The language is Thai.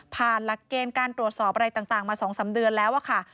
หลักเกณฑ์การตรวจสอบอะไรต่างมา๒๓เดือนแล้วค่ะ